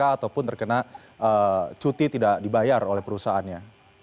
atau pun terkena cuti tidak dibayar oleh perusahaannya